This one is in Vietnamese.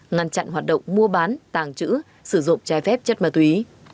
ngăn chặn hoạt động mua bán tàng trữ sử dụng chai phép chất ma tùy